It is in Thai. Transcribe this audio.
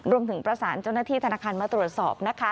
รวมถึงประสานเจ้าหน้าที่ธนาคารมาตรวจสอบนะคะ